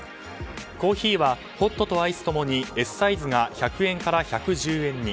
コーヒーはホットとアイス共にＳサイズが１００円から１１０円に